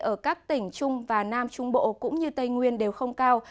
ở các tỉnh trung và nam trung bộ cũng như tây nguyên đều không cao